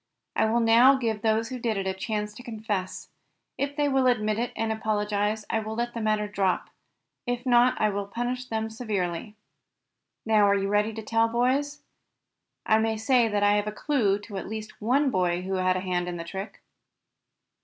I will now give those who did it a chance to confess. If they will admit it, and apologize, I will let the matter drop. If not I will punish them severely. Now are you ready to tell, boys? I may say that I have a clue to at least one boy who had a hand in the trick."